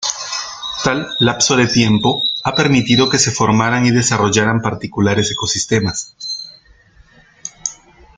Tal lapso de tiempo ha permitido que se formaran y desarrollaran particulares ecosistemas.